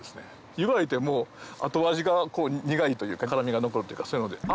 湯がいても後味が苦いというか辛みが残るっていうかそういうので。